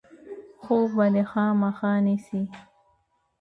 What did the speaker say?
خوب به دی خامخا نیسي.